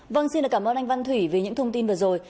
vâng xin cảm ơn anh văn thủy về những thông tin vừa rồi